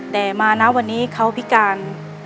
แต่มานะวันนี้เขาพิการ